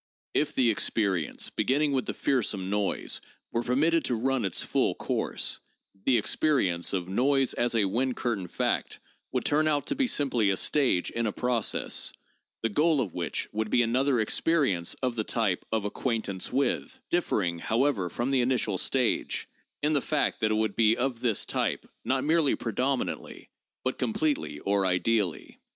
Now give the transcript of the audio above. If the experience beginning with the 'fearsome noise' were permitted to run its full course, the experience of 'noise as a wind curtain fact' would turn out to be simply a stage in a process, the goal of which would be another experience of the type of ' acquaintance with, ' differing, however, from the initial stage in the fact that it would be of this type, not merely predominantly, but completely or ideally.